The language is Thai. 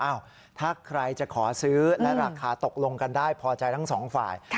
ถ้าใครจะขอซื้อและราคาตกลงกันได้พอใจทั้งสองฝ่าย